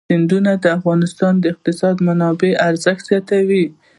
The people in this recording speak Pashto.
سیندونه د افغانستان د اقتصادي منابعو ارزښت زیاتوي.